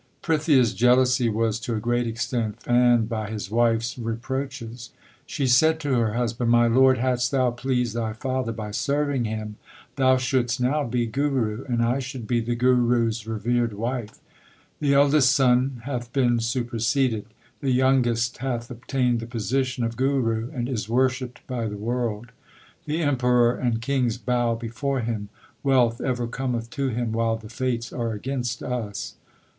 Prithia s jealousy was to a great extent fanned by his wife s reproaches. She said to her husband: My lord, hadst thou pleased thy father by serving him, thou shouldst now be Guru, and I should be the Guru s revered wife. The eldest son hath been superseded. The youngest hath obtained the position of Guru and is worshipped by the world. The Emperor and kings bow before him. Wealth ever cometh to him while the fates are against us.